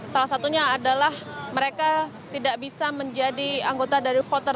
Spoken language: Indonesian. salah satunya adalah mereka tidak bisa menjadi anggota dari voter